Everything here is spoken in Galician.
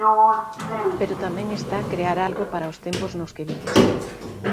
Pero tamén está crear algo para os tempos nos que vives.